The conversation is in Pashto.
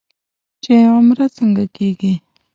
چې عمره څنګه کېږي.